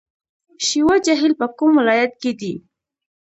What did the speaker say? شیوا جهیل په کوم ولایت کې دی؟